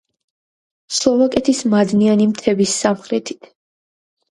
სლოვაკეთის მადნიანი მთების სამხრეთით.